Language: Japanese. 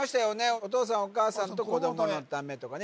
お父さんお母さんと子どものためとかね